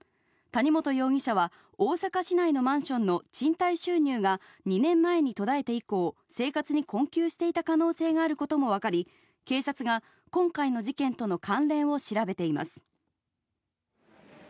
谷本容疑者は、大阪市内のマンションの賃貸収入が２年前に途絶えて以降、生活に困窮していた可能性があることも分かり、警察が今回の事件との関連を調べています。